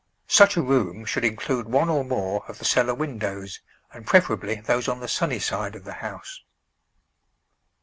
Such a room should include one or more of the cellar windows, and preferably those on the sunny side of the house.